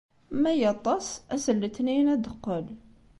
Ma aṭas, ass n letniyen ad d-teqqel.